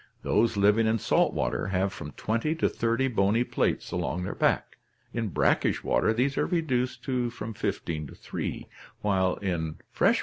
Those liv ing in salt water have from twenty to thirty bony plates along the '' back, in brackish water these are reduced to from fifteen to three, while in fresh F10.